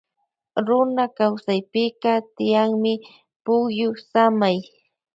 Runa kawsaypika tiyanmi pukyu samay.